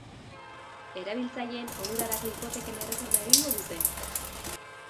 Erabiltzaileen onurarako hipoteken erreforma egingo dute?